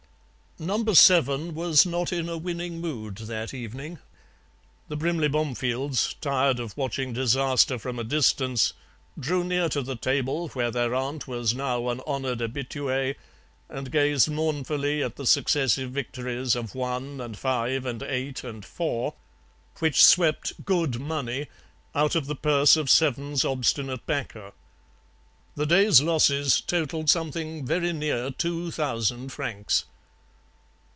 "Number seven was not in a winning mood that evening. The Brimley Bomefields, tired of watching disaster from a distance, drew near to the table where their aunt was now an honoured habituée, and gazed mournfully at the successive victories of one and five and eight and four, which swept 'good money' out of the purse of seven's obstinate backer. The day's losses totalled something very near two thousand francs.